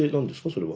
それは。